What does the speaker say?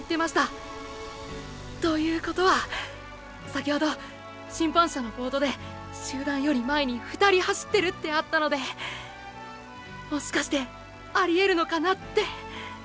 ということはーー先ほど審判車のボードで“集団より前に２人走ってる”てあったのでもしかしてありえるのかなって。